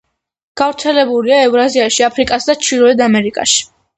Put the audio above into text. გავრცელებულია ევრაზიაში, აფრიკასა და ჩრდილოეთ ამერიკაში.